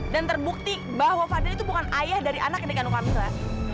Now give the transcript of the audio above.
dan terbukti bahwa fadil itu bukan ayah dari anak yang dikandung kamila